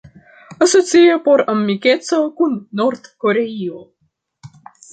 Asocio por Amikeco kun Nord-Koreio.